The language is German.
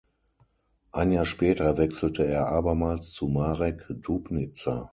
Ein Jahr später wechselte er abermals zu Marek Dupniza.